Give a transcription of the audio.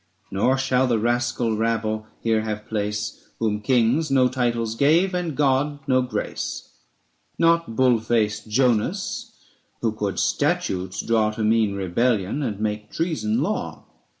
Nor shall the rascal rabble here have place Whom kings no titles gave, and God no grace : 580 Not bull faced Jonas, who could statutes draw To mean rebellion and make treason law.